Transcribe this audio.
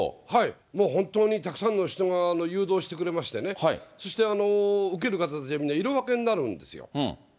もう本当にたくさんの人が誘導してくれましてね、そして受ける方たちはみんな色分けになるんですよ。